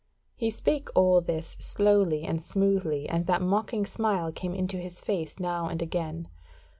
He spake all this slowly and smoothly and that mocking smile came into his face now and again.